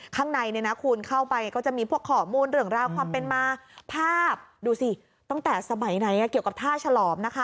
ข้างในเนี่ยนะคุณเข้าไปก็จะมีพวกข้อมูลเรื่องราวความเป็นมาภาพดูสิตั้งแต่สมัยไหนเกี่ยวกับท่าฉลอมนะคะ